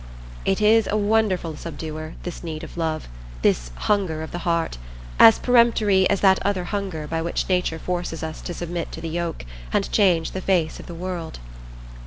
It is a wonderful subduer, this need of love,—this hunger of the heart,—as peremptory as that other hunger by which Nature forces us to submit to the yoke, and change the face of the world.